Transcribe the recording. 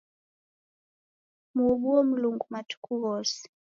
Muobuo Mlungu matuku ghose